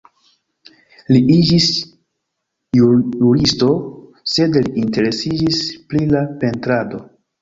Li iĝis juristo, sed li interesiĝis pri la pentrado.